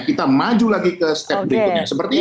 kita maju lagi ke step berikutnya